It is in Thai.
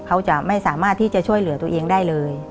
เขาจะไม่สามารถที่จะช่วยเหลือตัวเองได้เลย